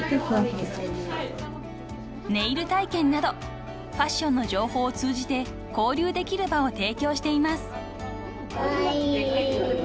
［ネイル体験などファッションの情報を通じて交流できる場を提供しています］